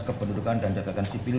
kependudukan dan catatan sipil